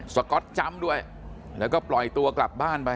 ก๊อตจำด้วยแล้วก็ปล่อยตัวกลับบ้านไป